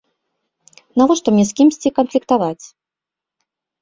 Навошта мне з кімсьці канфліктаваць?